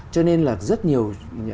cho nên là rất nhiều